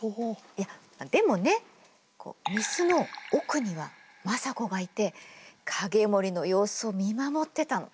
いやでもね御簾の奥には政子がいて景盛の様子を見守ってたの。